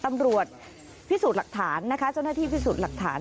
จาวหน้าที่พิสูจน์หลักฐาน